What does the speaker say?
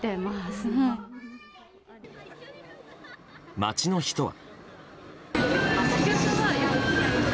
街の人は。